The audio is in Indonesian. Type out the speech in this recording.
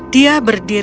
dia berdiri di sana